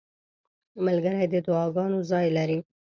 ملګری د دعاګانو ځای لري.